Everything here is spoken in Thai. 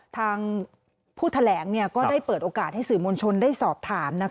ทางผู้แถลงก็ได้เปิดโอกาสให้สื่อมวลชนได้สอบถาม